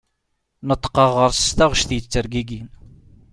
Neṭqeɣ ɣer-s s taɣect yettergigin.